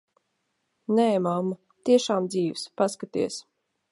Nē, mamma, tiešām dzīvs. Paskaties.